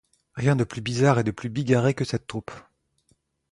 Rien de plus bizarre et de plus bigarré que cette troupe.